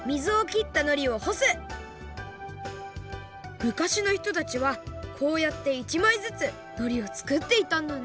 むかしのひとたちはこうやって１まいずつのりをつくっていたんだね。